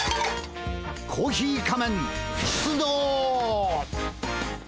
コーヒー仮面出動！